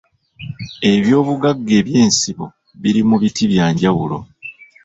Eby'obugagga eby'ensibo biri mu biti bya njawulo